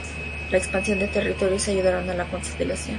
La expansión de territorios ayudaron a la consolidación de autoridad real.